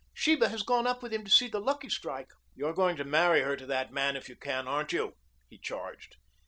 Sheba has gone up with him to see the Lucky Strike." "You're going to marry her to that man if you can, aren't you?" he charged.